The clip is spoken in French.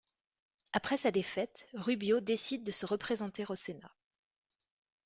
Après sa défaite, Rubio décide de se représenter au Sénat.